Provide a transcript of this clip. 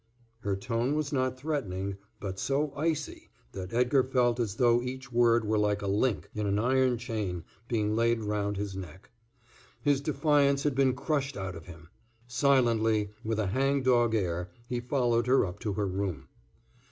Her tone was not threatening, but so icy that Edgar felt as though each word were like a link in an iron chain being laid round his neck. His defiance had been crushed out of him. Silently, with a hang dog air, he followed her up to her room.